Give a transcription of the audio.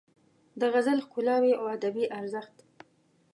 د غزل ښکلاوې او ادبي ارزښت